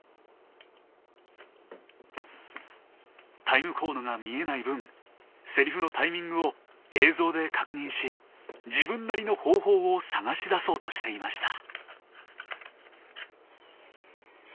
タイムコードが見えない分セリフのタイミングを映像で確認し自分なりの方法を探し出そうとしていました。